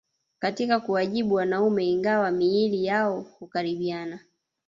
Katika kuwajibu wanaume ingawa miili yao hukaribiana